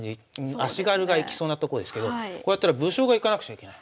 足軽がいきそうなとこですけどこうやったら武将がいかなくちゃいけない。